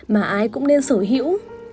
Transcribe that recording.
mà ai cũng nên sở hữu